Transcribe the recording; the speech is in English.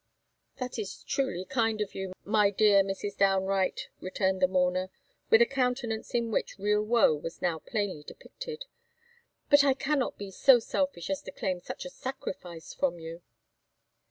"That is truly kind of you, my dear Mrs. Downe Wright," returned the mourner, with a countenance in which real woe was now plainly depicted; "but I cannot be so selfish as to claim such a sacrifice from you."